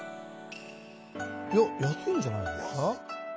いや安いんじゃないですか？